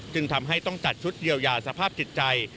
จึงทำให้ต้องจัดชุดเยียวยาสภาพจิตใจ